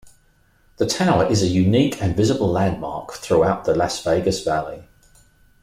The tower is a unique and visible landmark throughout the Las Vegas Valley.